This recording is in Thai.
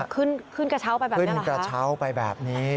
ขึ้นขึ้นกระเช้าไปแบบนี้ขึ้นกระเช้าไปแบบนี้